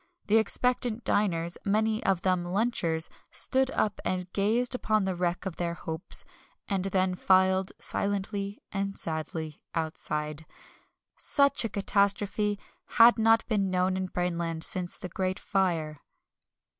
The expectant diners (many of them lunchers) stood up and gazed upon the wreck of their hopes, and then filed, silently and sadly, outside. Such a catastrophe had not been known in Brainland since the Great Fire.